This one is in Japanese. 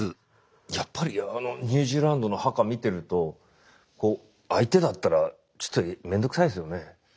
やっぱりニュージーランドのハカ見てると相手だったらちょっとめんどくさいですよね。